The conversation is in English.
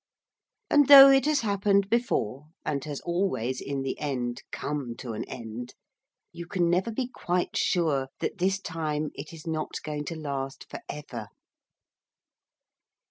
And though it has happened before, and has always, in the end, come to an end, you can never be quite sure that this time it is not going to last for ever.